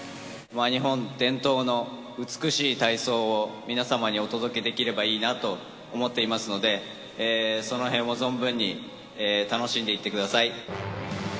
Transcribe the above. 日本伝統の美しい体操を皆様にお届けできればいいなと思っていますので、そのへんを存分に楽しんでいってください。